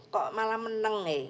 kok malah meneng nih